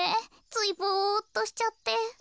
ついぼっとしちゃって。